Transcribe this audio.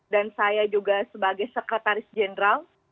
dan saya juga sebagai sekretaris jeneral